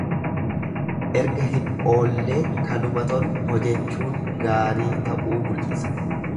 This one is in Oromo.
Erga hin oollee kanuma tolu hojechuun gaarii ta'uu mul'isa.